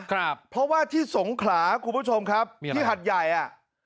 ครับเพราะว่าที่สงขลาคุณผู้ชมครับที่หัดใหญ่อ่ะ